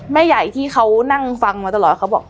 แม่ใหญ่ที่เขานั่งฟังมาตลอดเขาบอก